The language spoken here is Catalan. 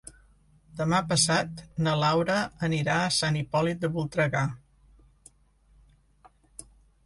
Demà passat na Laura anirà a Sant Hipòlit de Voltregà.